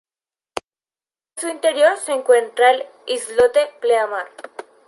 En su interior se encuentra el islote Pleamar.